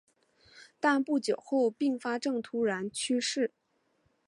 但不久后并发症突发骤逝。